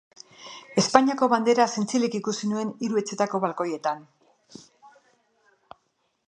Espainiako bandera zintzilik ikusi nuen hiru etxetako balkoietan.